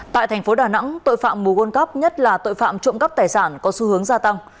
tại thành phố đà nẵng tội phạm mù gôn cắp nhất là tội phạm trộm cắp tài sản có xu hướng gia tăng